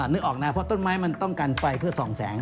นึกออกนะเพราะต้นไม้มันต้องกันไฟเพื่อส่องแสง